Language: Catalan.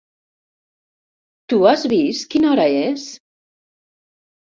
Tu has vist quina hora és?